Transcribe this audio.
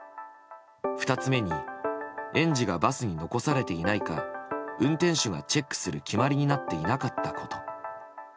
２つ目に園児がバスに残されていないか運転手がチェックする決まりになっていなかったこと。